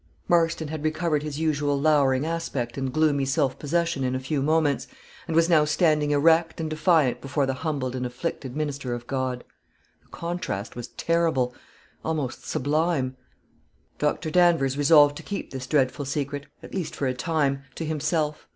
Marston had recovered his usual lowering aspect and gloomy self possession in a few moments, and was now standing erect and defiant before the humbled and afflicted minister of God. The contrast was terrible almost sublime. Doctor Danvers resolved to keep this dreadful secret, at least for a time, to himself.